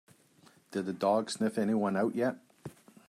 Did the dog sniff anyone out yet?